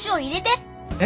えっ？